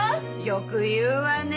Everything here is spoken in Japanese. よく言うわね。